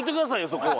そこは。